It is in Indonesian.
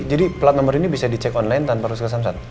jadi plak nomor ini bisa dicek online tanpa harus ke samsat